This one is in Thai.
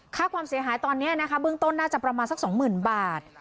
ค่าความเสียหายตอนนี้นะคะเบื้องต้นน่าจะประมาณสัก๒๐๐๐บาท